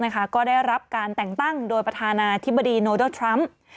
ก็ได้รับการแต่งตั้งโดยประธานาธิบดีโนทรัมป์